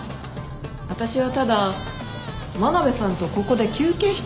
私はただ真鍋さんとここで休憩してただけ。